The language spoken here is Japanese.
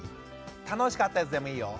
楽しかったやつでもいいよ。